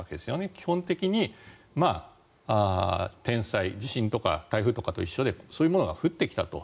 基本的に天災地震とか台風とかといっしょでそういうものが降ってきたと。